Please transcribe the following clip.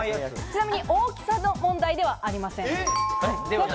ちなみに大きさの問題ではありません。